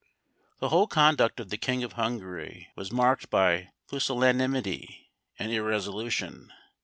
The whole conduct of the king of Hungary was marked by pusillanimity and irresolution.